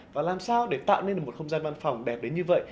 và làm sao để tạo nên được một không gian văn phòng đẹp đến như vậy